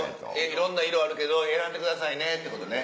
いろんな色あるけど選んでくださいねってことね。